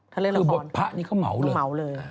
คือบทภะนี่ก็เหมาเลย